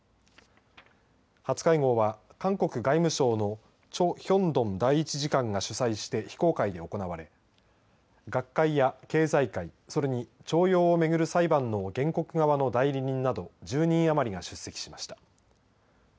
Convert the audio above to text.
初会合は、韓国外務省のチョ・ヒョンドン第１次官が主催して非公開で行われ学界や経済界、それに徴用を巡る裁判の原告側の代理人など１０人余りが出席しました。